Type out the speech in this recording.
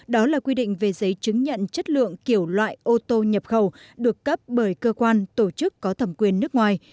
đó là quy định về giấy chứng nhận chất lượng kiểu loại ô tô nhập khẩu được cấp bởi cơ quan tổ chức có thẩm quyền nước ngoài